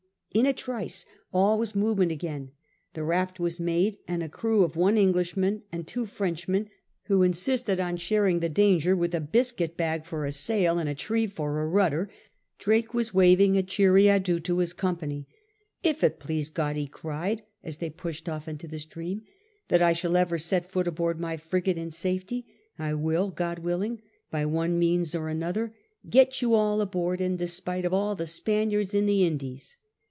In a trice all was movement again. The raft was made ; and with a crew of one Englishman and two Frenchmen, who insisted on sharing the danger, with a biscuit bag for a sail and a tree for a rudder, Drake was waving a cheery adieu to his company. "If it please God," he cried, as they pushed off into the stream, " that I shall ever set foot aboard my frigate in safety, I will, God willing, by one means or another get you all aboard in despite of all the Spaniards in the Indies."